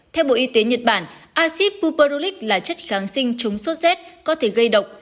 theo bộ y tế nhật bản acid buperulic là chất kháng sinh chống sốt rét có thể gây độc